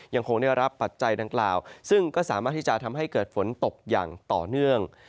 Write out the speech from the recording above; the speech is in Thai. ยังคงได้รับปัจจัยดังกล่าวซึ่งก็สามารถที่จะทำให้เกิดฝนตกอย่างต่อเนื่อง